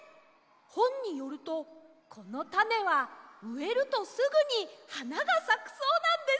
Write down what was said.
ほんによるとこのタネはうえるとすぐにはながさくそうなんです！